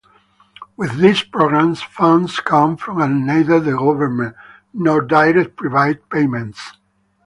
With these programs, funds come from neither the government nor direct private payments.